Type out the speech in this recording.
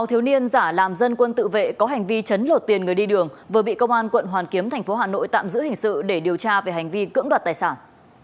sáu thiếu niên giả làm dân quân tự vệ có hành vi chấn lột tiền người đi đường vừa bị công an quận hoàn kiếm thành phố hà nội tạm giữ hình sự để điều tra về hành vi cưỡng đoạt tài sản